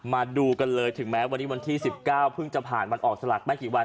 มาดูกันเลยถึงแม้วันนี้วันที่๑๙เพิ่งจะผ่านวันออกสลักไม่กี่วัน